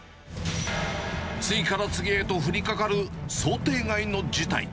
次から次へと降りかかる想定外の事態。